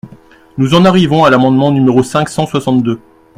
Nous en arrivons à l’amendement numéro cinq cent soixante-deux.